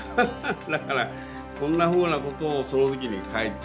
だからこんなふうなことをその時に描いて。